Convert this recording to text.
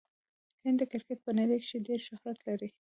هند د کرکټ په نړۍ کښي ډېر شهرت لري.